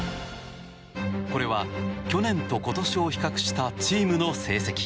これは、去年と今年を比較したチームの成績。